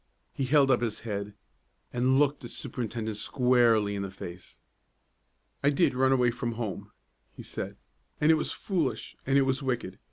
He held up his head, and looked the superintendent squarely in the face. "I did run away from home," he said, "and it was foolish and it was wicked.